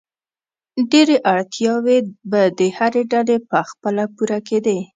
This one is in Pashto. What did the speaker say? ډېری اړتیاوې به د هرې ډلې په خپله پوره کېدې.